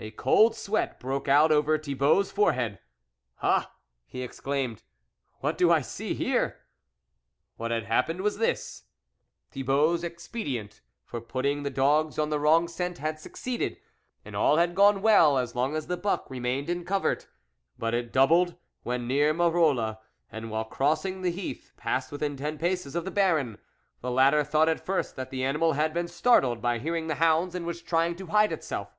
A cold sweat broke out over Thibault's forehead. " Ah !" he exclaimed, " What do I see here ?" What had happened was this : Thibault's expedient for putting the dogs on the wrong scent had succeeded, and all had gone well as long as the buck remained in covert ; but it doubled, when near Marolle, and while crossing the heath passed within ten paces of the Baron. The latter thought at first that the animal had been startled by hearing the hounds, and was trying to hide itself.